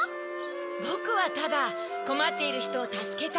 ボクはただこまっているひとをたすけたい。